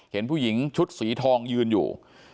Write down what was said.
เห็นผู้หญิงชุดสีทองยืนอยู่